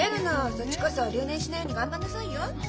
そっちこそ留年しないように頑張んなさいよ。